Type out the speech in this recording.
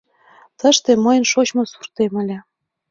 Тыште мыйын шочмо суртем ыле!